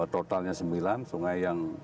totalnya sembilan sungai yang